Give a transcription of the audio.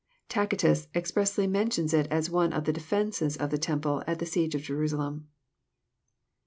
Tacitus expressly mentions it as one of the defences of the temple at the siege of Jerusalem.